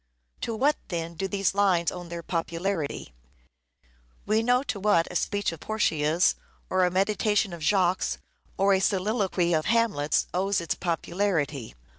To what, then, do these lines owe their popularity ? We know to what a speech of Portia's, or a meditation of Jacques', or a soliloquy of Hamlet's, owes its popularity.